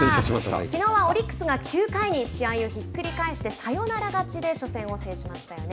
きのうはオリックスが９回に試合をひっくり返してサヨナラ勝ちで初戦を制しましたよね。